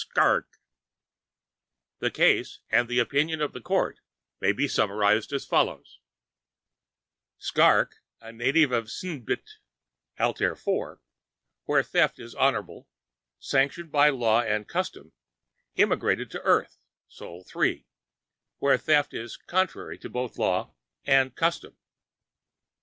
Skrrgck_. The case, and the opinion of the Court, may be summarized as follows: Skrrgck, a native of Sknnbt (Altair IV), where theft is honorable, sanctioned by law and custom, immigrated to Earth (Sol III) where theft is contrary to both law and custom.